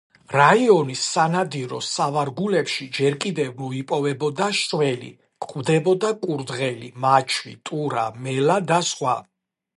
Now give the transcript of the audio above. რაიონის სანადირო სავარგულებში ჯერ კიდევ მოიპოვებოდა შველი, გვხვდებოდა კურდღელი, მაჩვი, ტურა, მელა და სხვა.